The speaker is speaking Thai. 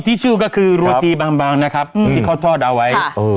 โรตีทิชชูก็คือครับโรตีบางนะครับอืมที่เขาทอดเอาไว้ค่ะอืม